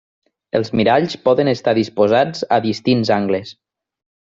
Els miralls poden estar disposats a distints angles.